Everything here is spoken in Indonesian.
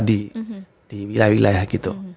di wilayah wilayah gitu